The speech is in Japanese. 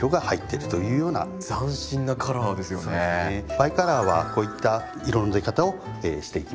バイカラーはこういった色の出方をしていきますね。